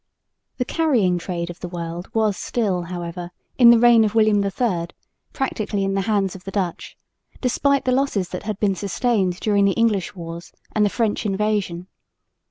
The carrying trade of the world was still, however, in the reign of William III practically in the hands of the Dutch, despite the losses that had been sustained during the English wars and the French invasion.